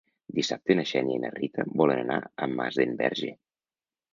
Dissabte na Xènia i na Rita volen anar a Masdenverge.